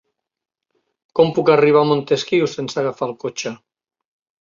Com puc arribar a Montesquiu sense agafar el cotxe?